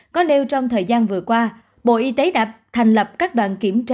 có nêu trong thời gian vừa qua bộ y tế đã thành lập các đoàn kiểm tra